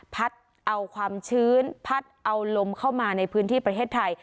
พัดเอาความชื้นพัดเอาลมเข้ามาในพื้นที่ประเทศไทย